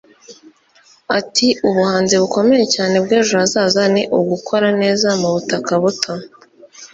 Ati Ubuhanzi bukomeye cyane bwejo hazaza ni ugukora neza mu butaka buto